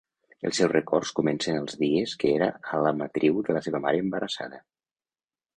Els seus records comencen als dies que era a l matriu de la seva mare embarassada.